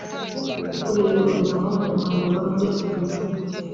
ukuriye umuryango w’abanyarwanda baba muri arizona.